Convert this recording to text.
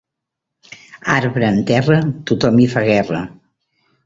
Arbre en terra, tothom hi fa guerra